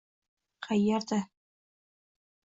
Qayerda?